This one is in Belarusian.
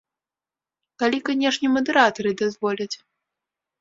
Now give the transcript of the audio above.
Калі, канечне, мадэратары дазволяць.